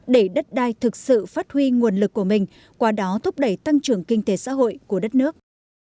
để đất đai thực sự phát huy nguồn lực của mình qua đó thúc đẩy tăng trưởng kinh tế xã hội của đất nước